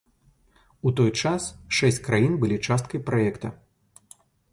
У той час шэсць краін былі часткай праекта.